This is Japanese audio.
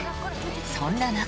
そんな中。